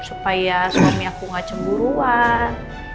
supaya suami aku gak cemburuan